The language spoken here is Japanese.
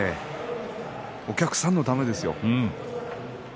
お客さんのためですよ。